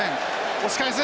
押し返す！